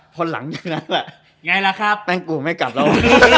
พอหลังจอดนัดแหละไงล่ะครับแปงกรูไม่กลับเรา